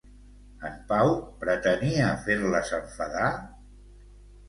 En Pau pretenia fer-les enfadar?